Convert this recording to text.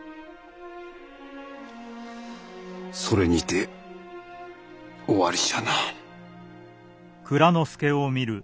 それにて終わりじゃな。